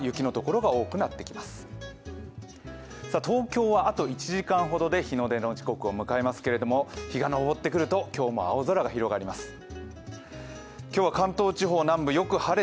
東京はあと１時間ほどで日の出の時刻を迎えますけども日が昇ってくると今日も青空が広がります。